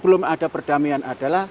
belum ada perdamaian adalah